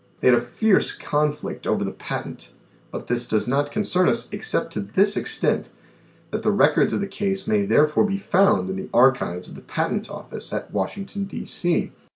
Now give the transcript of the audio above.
They had a fierce conflict over the patent, but this does not concern us except to this extent, that the records of the case may therefore be found in the archives of the Patent Office at Washington, D.C.